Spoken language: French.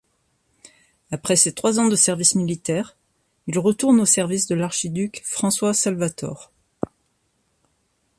Après ses trois ans de service militaire, il retourne au service de l'archiduc François-Salvator.